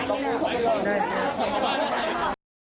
คนหนีไปหอ